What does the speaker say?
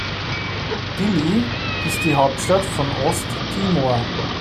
Dili ist die Hauptstadt von Osttimor.